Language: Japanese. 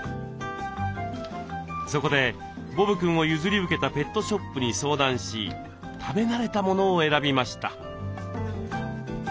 そこでボブくんを譲り受けたペットショップに相談し食べ慣れたものを選びました。